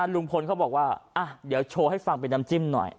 ลุงพลเขาบอกว่าเดี๋ยวโชว์ให้ฟังเป็นน้ำจิ้มหน่อย